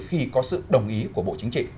khi có sự đồng ý của bộ chính trị